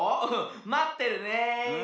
まってるね。